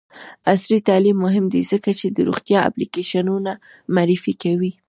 عصري تعلیم مهم دی ځکه چې د روغتیا اپلیکیشنونه معرفي کوي.